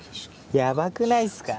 やばくないっすか？